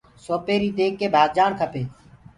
سوپيري ديک ڪي ڀآگجآڻ کپي۔